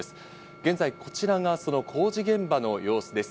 現在こちらがその工事現場の様子です。